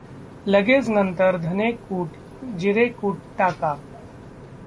लगेच नंतर धने कूट, जिरे कूट टाका.